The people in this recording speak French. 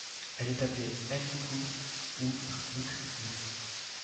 Elle est appelée ngungu ou mikungu.